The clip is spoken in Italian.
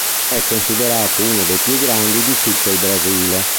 È considerato uno dei più grandi di tutto il Brasile.